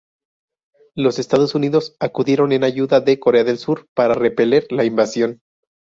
Los Estados Unidos acudieron en ayuda de Corea del Sur para repeler la invasión.